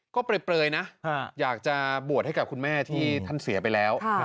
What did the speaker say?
ก็เปลยนะอยากจะบวชให้กับคุณแม่ที่ท่านเสียไปแล้ว